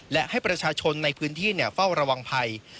และให้ประชาชนในพื้นที่เฝ้าระวังภัย